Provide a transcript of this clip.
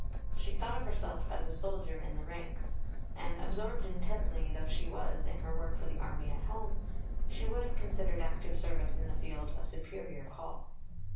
She thought of herself as a soldier in the ranks; and absorbed intently though she was in her work for the Army at home, she would have considered active service in the field a superior call.